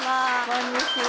こんにちは。